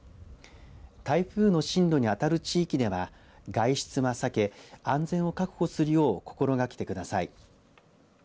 台風の進路にあたる地域では外出は避け安全を確保するよう心掛けてください。